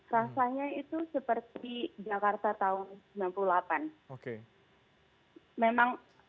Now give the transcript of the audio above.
rasanya itu seperti jakarta tahun sembilan puluh delapan